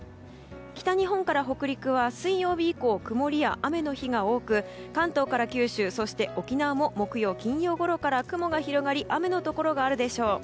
北日本から北陸は水曜日以降、曇りや雨の日が多く関東から九州、そして沖縄も木曜、金曜ごろから雲が広がり雨のところがあるでしょう。